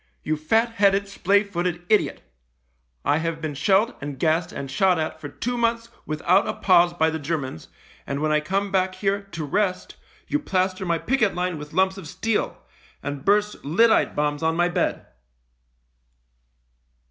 " You fat headed, splay footed idiot. I have been shelled and gassed and shot at for two months without a pause by the Germans, and when I come back here to rest you plaster my picket line with lumps of steel, and burst lyddite bombs on my bed